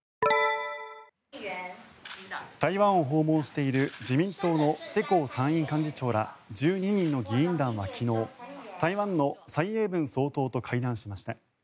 台湾を訪問している自民党の世耕参院幹事長ら１２人の議員団は昨日台湾の蔡英文総統と会談しました。